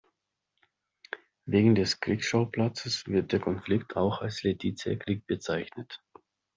Wegen des Kriegsschauplatzes wird der Konflikt auch als Leticia-Krieg bezeichnet.